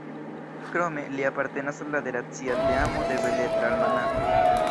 Krome, li apartenas al la redakcia teamo de Beletra Almanako.